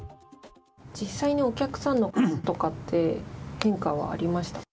実際にお客さんの数とかって、変化はありました？